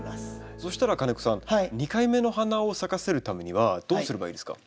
そしたら金子さん２回目の花を咲かせるためにはどうすればいいんですか？